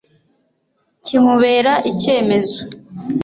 kimubera icyemezo